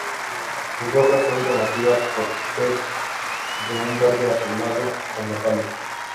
Sus hojas son llamativas por ser de un verde azulado o metálico.